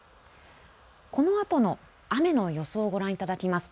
このあとの雨の予想をご覧いただきます。